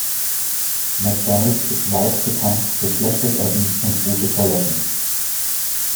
McDonald's ist weit bekannt für schlechtes Essen und gute Toiletten.